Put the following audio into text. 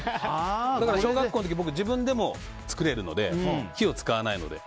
小学校の時自分でも作れるので火を使わないので。